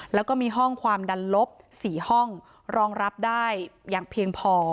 แล้วก็มีห้องความดันลบ๔ห้องรองรับได้อย่างเพียงพอ